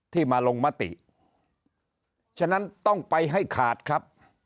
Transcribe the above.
ที่มาลงมติฉะนั้นต้องไปให้ขาดครับ